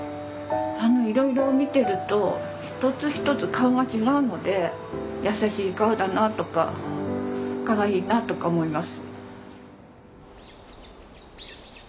いろいろ見てると一つ一つ顔が違うので優しい顔だなとかかわいいなとか思います。